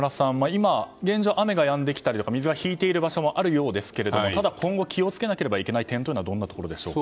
今現状、雨がやんできたりとか水が引いている場所もあるようですけれどもただ今後気を付けなければいけない点はどんなところでしょう。